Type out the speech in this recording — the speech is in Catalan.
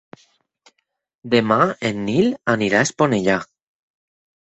Demà en Nil anirà a Esponellà.